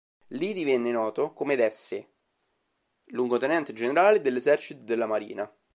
Lì divenne noto come d'Essé, luogotenente generale dell'esercito e della marina.